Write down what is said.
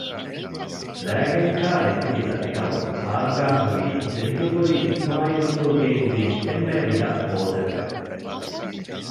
ލައިގެންކާ އެއްޗެހި ދަތިކަމުން ހާރުކާން ހުރީ ޖެހިގެންހުރި އިސްމާއީލްފުޅު ގެއިން ދިން އެންމެ ރިހަ ބޯތައްޓެއް